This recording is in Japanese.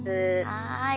はい。